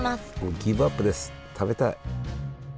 ギブアップです食べたい。